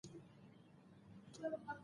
افغانستان په سمندر نه شتون غني دی.